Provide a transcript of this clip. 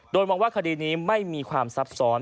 โดยมองว่าคดีนี้ไม่มีความซับซ้อน